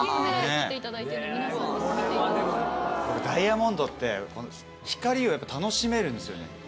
ダイヤモンドって光をやっぱ楽しめるんですよね。